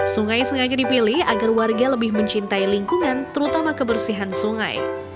sungai sengaja dipilih agar warga lebih mencintai lingkungan terutama kebersihan sungai